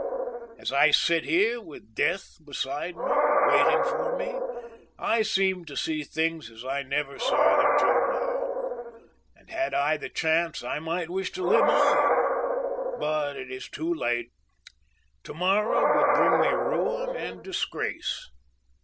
"As I sit here with death beside me, waiting for me, I seem to see things as I never saw them till now, and had I the chance I might wish to live on, but it is too late; to morrow would bring me ruin and disgrace.